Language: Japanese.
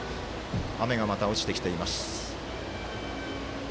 雨がまた落ちてきています。